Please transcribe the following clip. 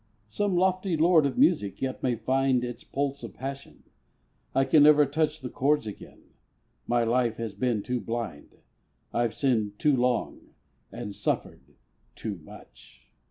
Some lofty lord of music yet may find Its pulse of passion. I can never touch The chords again my life has been too blind; I've sinned too long and suffered far too much.